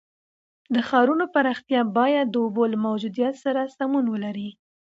د ښارونو پراختیا باید د اوبو له موجودیت سره سمون ولري.